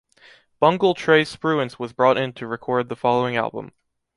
Bungle Trey Spruance was brought in to record the following album.